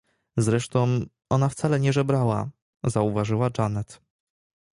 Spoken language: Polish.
— Zresztą ona wcale nie żebrała — zauważyła Janet.